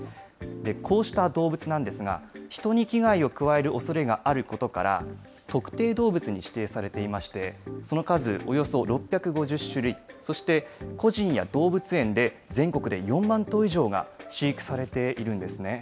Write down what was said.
こうした動物なんですが、人に危害を加えるおそれがあることから、特定動物に指定されていまして、その数およそ６５０種類、そして個人や動物園で全国で４万頭以上が飼育されているんですね。